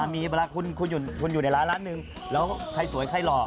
มีเวลาคุณอยู่ในร้านร้านหนึ่งแล้วใครสวยใครหล่อ